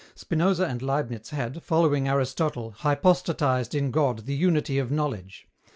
Spinoza and Leibniz had, following Aristotle, hypostatized in God the unity of knowledge.